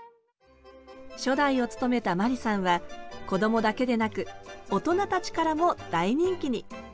初代を務めた眞理さんはこどもだけでなく大人たちからも大人気に。